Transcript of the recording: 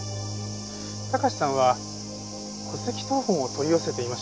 貴史さんは戸籍謄本を取り寄せていました。